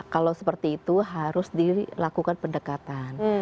kalau seperti itu harus dilakukan pendekatan